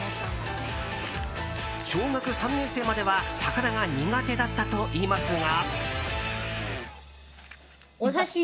小学３年生までは魚が苦手だったといいますが。